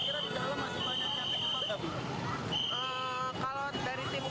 kira kira di dalam masih banyak yang dikepang